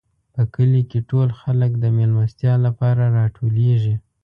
په کلي کې ټول خلک د مېلمستیا لپاره راټولېږي.